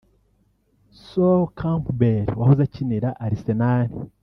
Sol Campbell wahoze akinira Arsenal